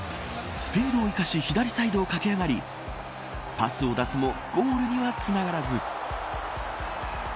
スピードを生かし左サイドを駆け上がりパスを出すもゴールにはつながらず。